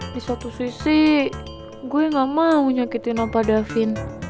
di satu sisi gue gak mau nyakitin lapa davin